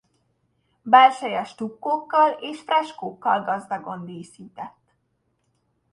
Belseje stukkókkal és freskókkal gazdagon díszített.